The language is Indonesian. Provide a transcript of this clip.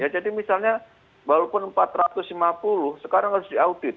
jadi misalnya walaupun empat ratus lima puluh sekarang harus diaudit